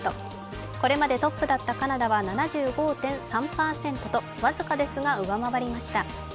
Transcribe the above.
これまでトップだったカナダは７５．３％と僅かですが上回りました。